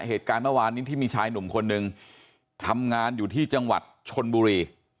เหตุการณ์เมื่อวานนี้ที่มีชายหนุ่มคนหนึ่งทำงานอยู่ที่จังหวัดชนบุรี